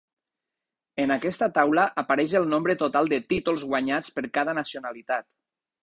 En aquesta taula apareix el nombre total de títols guanyats per cada nacionalitat.